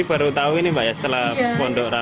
jadi baru tahu ini mbak ya setelah pondok rame